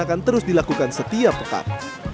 dan akan terus dilakukan setiap pekat